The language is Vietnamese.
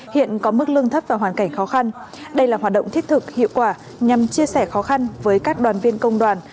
hiện có mức lương thấp và hoàn cảnh khó khăn đây là hoạt động thiết thực hiệu quả nhằm chia sẻ khó khăn với các đoàn viên công đoàn